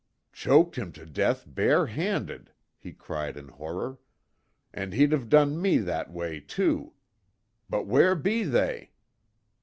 "Choked him to death bare handed!" he cried in horror, "And he'd of done me that way, too! But where be they?